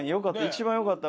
一番良かった。